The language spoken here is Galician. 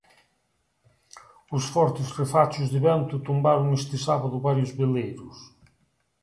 Os fortes refachos de vento tombaron este sábado varios veleiros.